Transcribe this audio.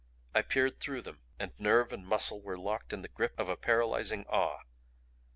I peered through them and nerve and muscle were locked in the grip of a paralyzing awe.